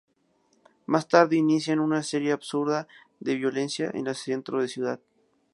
Más tarde inician una serie de absurda violencia en el centro de la ciudad.